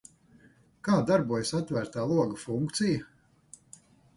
Kā darbojas Atvērtā loga funkcija?